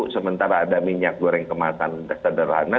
sementara ada minyak goreng kemasan sederhana